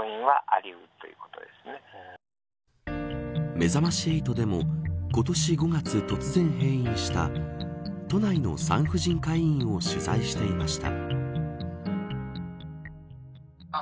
めざまし８でも今年５月、突然閉院した都内の産婦人科医院を取材していました。